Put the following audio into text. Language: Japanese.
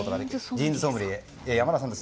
ジーンズソムリエの山田さんです